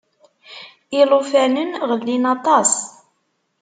Ilufanen ɣellin aṭas.